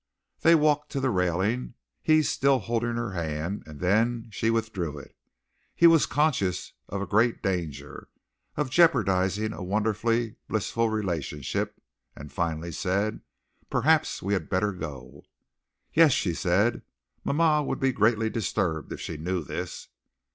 They walked to the railing, he still holding her hand, and then she withdrew it. He was conscious of great danger of jeopardizing a wonderfully blissful relationship, and finally said: "Perhaps we had better go." "Yes," she said. "Ma ma would be greatly disturbed if she knew this."